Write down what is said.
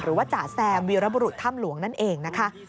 หรือว่าจาแซมวิรบรุษถ้ำหลวงนั่นเองนะคะ